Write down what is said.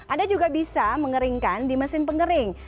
anda juga bisa mengeringkan di mesin pengering